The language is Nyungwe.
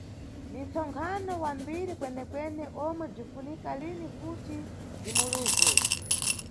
Ni nʼtsonkhano wa mbiri kwenekwene, omwe bzinʼfunika lini kuti ndiwuluze.